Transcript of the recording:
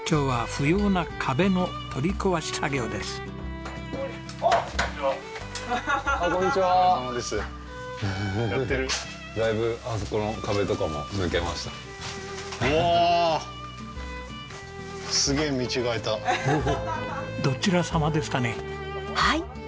はい。